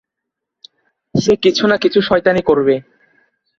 সে কিছু না কিছু শয়তানি করবে।